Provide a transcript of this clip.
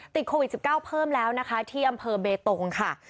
ติดโควิด๑๙เพิ่มแล้วนะคะที่อำเภอเบตงค่ะ